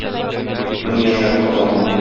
Мең яшәр Казан.